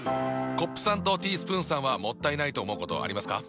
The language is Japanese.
コップさんとティースプーンさんはもったいないと思うことありますか？